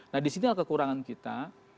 nah di sini adalah kekurangan kita